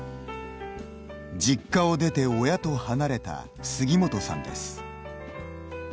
実家を出て親と離れた杉本さんです。